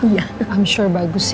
i'm sure bagus ya